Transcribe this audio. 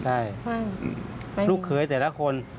ใช่ลูกเขยแต่ละคน